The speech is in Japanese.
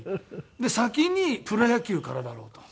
で先にプロ野球からだろうと。